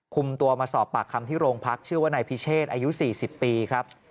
คุมตัวมาสอบปากคำที่โรงพักชื่อว่านายพิเชษอายุ๔๐ปีครับ